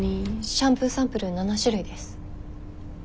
シャンプーサンプル７種類です。